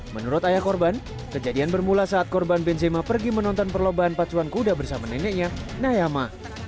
menurut ayah korban kejadian bermula saat korban benzema pergi menonton perlombaan pacuan kuda bersama neneknya nayama